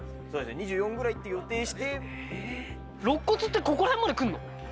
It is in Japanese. ２４ぐらいって予定して肋骨ってここらへんまでくんの？